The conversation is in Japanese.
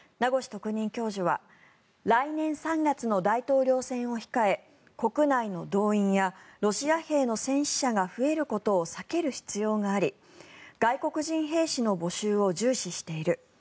特任教授は来年３月の大統領選を控え国内の動員やロシア兵の戦死者が増えることを避ける必要があり外国人兵士の募集を重視している。